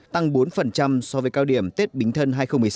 tăng bốn so với cao điểm tết bính thân hai nghìn một mươi sáu